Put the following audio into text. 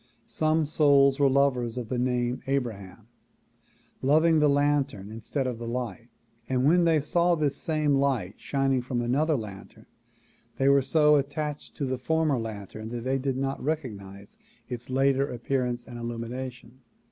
Some souls were lovers of the name Abraham, loving the lantern instead of the light and when they saw this same light shining from an other lantern they were so attached to the former lantern that they did not recognize its later appearance and illumination.